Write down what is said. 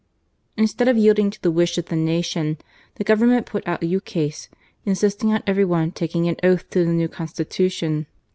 " Instead of yielding to the wish of the nation, the Government put out a ukase insisting on every one taking an oath to the new Constitution.